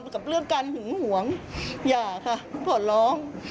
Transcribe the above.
กับเรื่องการหึงหวงอย่าค่ะขอร้อง